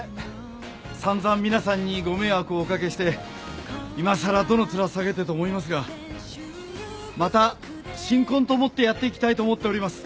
散々皆さんにご迷惑をお掛けしていまさらどの面下げてと思いますがまた新婚と思ってやっていきたいと思っております。